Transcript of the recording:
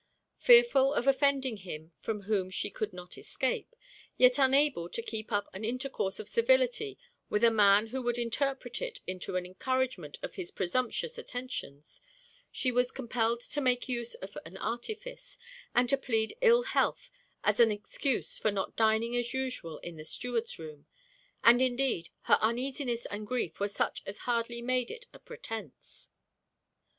Fearful of offending him from whom she could not escape; yet unable to keep up an intercourse of civility with a man who would interpret it into an encouragement of his presumptuous attentions, she was compelled to make use of an artifice; and to plead ill health as an excuse for not dining as usual in the steward's room: and indeed her uneasiness and grief were such as hardly made it a pretence.